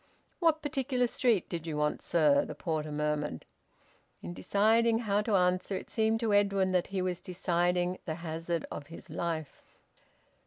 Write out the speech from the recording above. "What particular street did you want, sir?" the porter murmured. In deciding how to answer, it seemed to Edwin that he was deciding the hazard of his life.